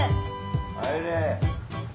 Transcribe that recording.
・入れ。